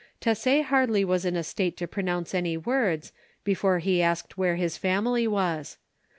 "Tesser scarcely was in a state to pronounce any words, before he asked where his family was.